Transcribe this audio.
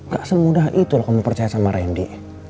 gak semudah itu loh kamu percaya sama rindy